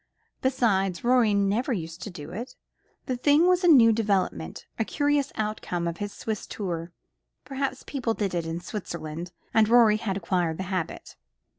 Besides, Rorie never used to do it. The thing was a new development, a curious outcome of his Swiss tour. Perhaps people did it in Switzerland, and Rorie had acquired the habit.